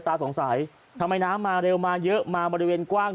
ตาสงสัยทำไมน้ำมาเร็วมาเยอะมาบริเวณกว้าง